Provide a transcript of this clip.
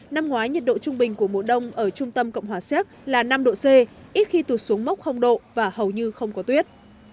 năm ngoái nhiệt độ trung bình của mùa đông ở trung tâm cộng hòa xéc là năm độ c ít khi tụt xuống mốc độ và hầu như không có tuyết